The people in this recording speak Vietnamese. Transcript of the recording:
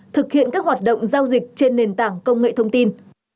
thực hiện các hoạt động giao dịch trên nền tảng công nghệ thông tin